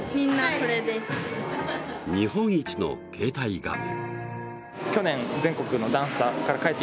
日本一の携帯画面。